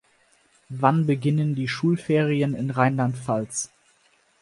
Wann beginnen die Schulferien in Rheinland-Pfalz?